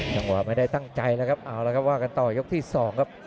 ไม่ได้ตั้งใจแล้วครับเอาละครับว่ากันต่อยกที่๒ครับ